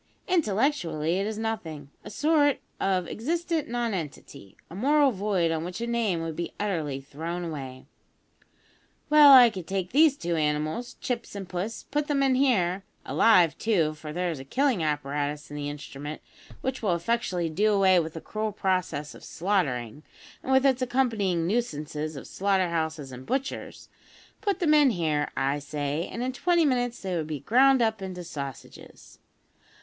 Intellectually it is nothing a sort of existent nonentity, a moral void on which a name would be utterly thrown away. Well, I could take these two animals, Chips and Puss, put them in here (alive, too, for there is a killing apparatus in the instrument which will effectually do away with the cruel process of slaughtering, and with its accompanying nuisances of slaughter houses and butchers) put them in here, I say, and in twenty minutes they would be ground up into sausages.